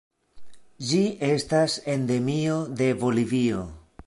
Ĝi estas endemio de Bolivio.